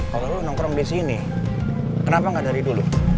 kalau lu nongkrong disini kenapa gak dari dulu